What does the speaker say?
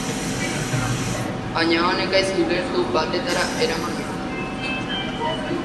Baina honek gaizki-ulertu batetara eraman gaitzake.